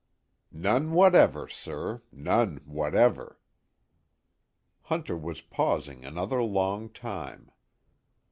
"None whatever, sir. None whatever." Hunter was pausing another long time.